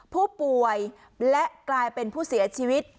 ผู้ป่วยและกลายเป็นผู้เสียชีวิต